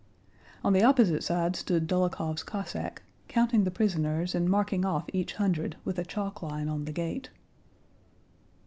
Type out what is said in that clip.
On the opposite side stood Dólokhov's Cossack, counting the prisoners and marking off each hundred with a chalk line on the gate.